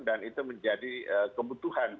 dan itu menjadi kebutuhan